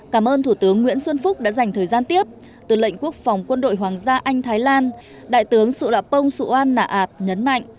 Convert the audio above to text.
cảm ơn thủ tướng nguyễn xuân phúc đã dành thời gian tiếp tư lệnh quốc phòng quân đội hoàng gia anh thái lan đại tướng sụ đạp bông sụ an nạ ảt nhấn mạnh